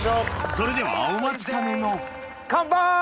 それではお待ちかねのカンパイ！